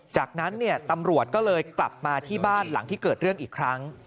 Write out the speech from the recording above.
จากนั้นตำรวจก็เลยกลับมาที่บ้านหลังที่เกิดเรื่องอีกครั้ง